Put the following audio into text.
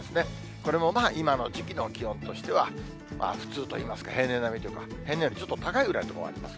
これも今の時期の気温としては普通といいますか、平年並みというか、平年よりちょっと高いぐらいの所があります。